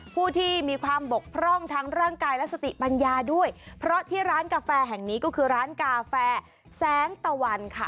ผู้ที่มีความบกพร่องทั้งร่างกายและสติปัญญาด้วยเพราะที่ร้านกาแฟแห่งนี้ก็คือร้านกาแฟแสงตะวันค่ะ